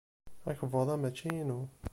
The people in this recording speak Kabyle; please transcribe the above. Akebbuḍ-a mačči inu.